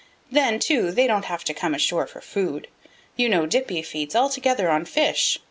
Then, too, they don't have to come ashore for food. You know Dippy feeds altogether on fish.